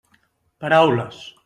Paraules.